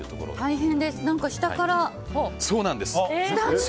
大変です、下から。